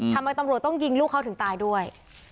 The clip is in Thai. ทำไมตำรวจต้องยิงลูกเขาถึงตายด้วย